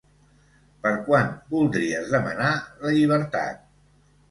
Per quan voldries demanar la llibertat?